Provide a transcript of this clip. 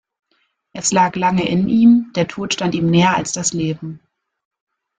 Es lag lange in ihm, der Tod stand ihm näher als das Leben.